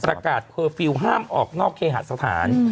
ประกาศเพอร์ฟิลห้ามออกนอกเคหาสถาน